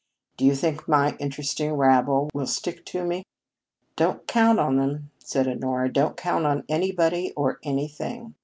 Do you think my interesting rabble will stick to me?" "Don't count on them," said Honora. "Don't count on anybody or anything.